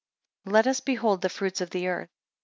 19 Let us behold the fruits of the earth.